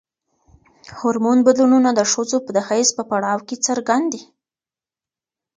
هورمون بدلونونه د ښځو د حیض په پړاو کې څرګند دي.